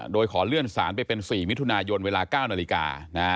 โดยขอเลื่อนสารไปเป็น๔มิถุนายนเวลา๙นาฬิกา